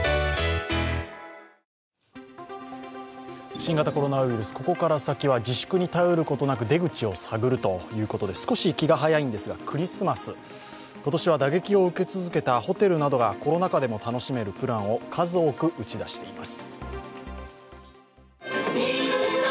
新型コロナウイルス、ここから先は自粛に頼ることなく出口を探るということで、少し気が早いのですが、クリスマス、今年は打撃を受け続けたホテルなどがコロナ禍でも楽しめるプランを数多く打ち出しています。